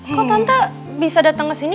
kok tante bisa datang kesini